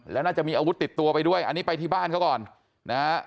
แล้วน่าจะมีอาวุธติดตัวไปด้วยอันนี้ไปที่บ้านเขาก่อนนะฮะ